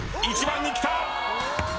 １番にきた！